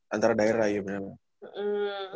antara daerah ya bener